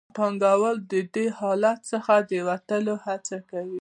پانګوال د دې حالت څخه د وتلو هڅه کوي